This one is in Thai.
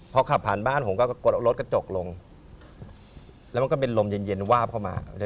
พอขับผ่านบ้านผมก็กดเอารถกระจกลงแล้วมันก็เป็นลมเย็นเย็นวาบเข้ามา